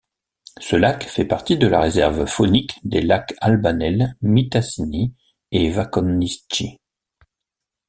Ce lac fait partie de la réserve faunique des Lacs-Albanel-Mistassini-et-Waconichi.